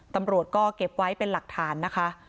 ตำรวจก็เก็บไว้เป็นหลักฐานนะคะ